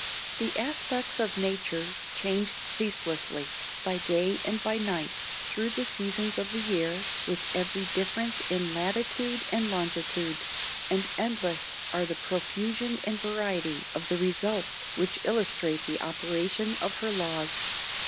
_ The aspects of nature change ceaselessly, by day and by night, through the seasons of the year, with every difference in latitude and longitude; and endless are the profusion and variety of the results which illustrate the operation of her laws.